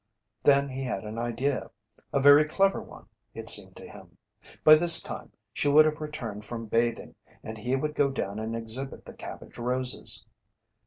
Then he had an idea, a very clever one it seemed to him. By this time she would have returned from bathing and he would go down and exhibit the cabbage roses.